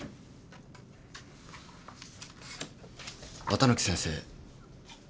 綿貫先生。